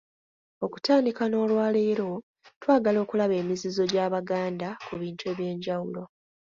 Okutandika n'olwaleero, twagala okulaba emizizo gy'Abaganda ku bintu eby'enjawulo.